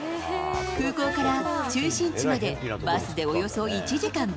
空港から中心地まで、バスでおよそ１時間。